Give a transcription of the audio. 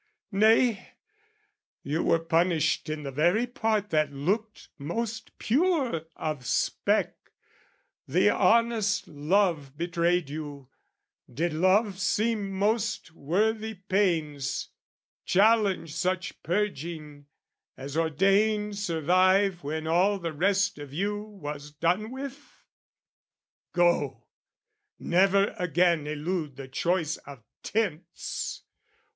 Nay, you were punished in the very part That looked most pure of speck, the honest love Betrayed you, did love seem most worthy pains, Challenge such purging, as ordained survive When all the rest of you was done with? Go! Never again elude the choice of tints!